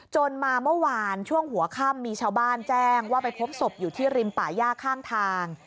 จนมาเมื่อวานช่วงหัวค่ำมีชาวบ้านแจ้งว่าไปพบศพอยู่ที่ริมป่าย่าข้างทาง